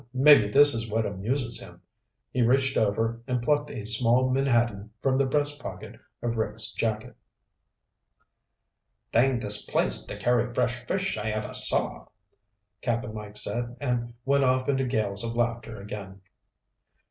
"Maybe this is what amuses him." He reached over and plucked a small menhaden from the breast pocket of Rick's jacket. "Dangdest place to carry fresh fish I ever saw," Cap'n Mike said, and went off into gales of laughter again.